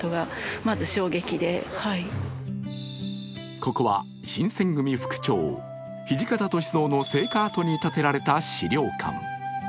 ここは新選組副長・土方歳三の生家跡に建てられた資料館。